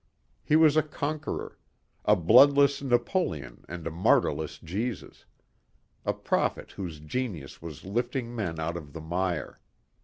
He was a conqueror a bloodless Napoleon and a martyrless Jesus. A prophet whose genius was lifting men out of the mire.